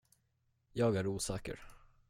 Jag är osäker.